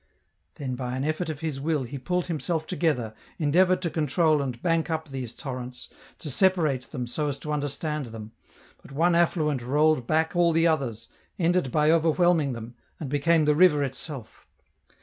Then by an effort of his will he pulled himself together, endeavoured to control and oank up these torrents, to separate them so as to understand them, but one affluent rolled back all the others, ended by overwhelming them, and became the river itself.